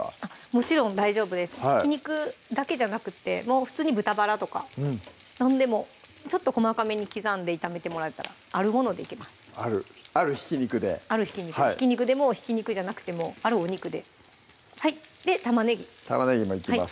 もちろん大丈夫ですひき肉だけじゃなくて普通に豚バラとか何でもちょっと細かめに刻んで炒めてもらえたらあるものでいけますあるひき肉でひき肉でもひき肉じゃなくてもあるお肉でで玉ねぎ玉ねぎもいきます